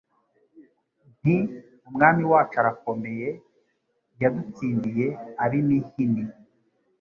Nti: Umwami wacu arakomeyeYadutsindiye Ab'imihini